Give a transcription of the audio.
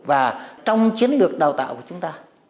và trong chiến lược đào tạo của chúng ta